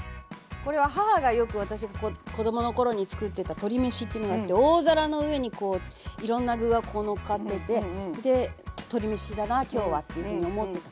これは母がよく私が子どもの頃に作ってた鶏めしっていうのがあって大皿の上にこういろんな具がのっかってて「鶏めしだな今日は」っていうふうに思ってた。